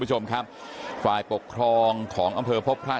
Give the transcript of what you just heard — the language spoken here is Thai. ต่อไว้ทราบสินทรัพย์ให้เข้าสู่ตภาพ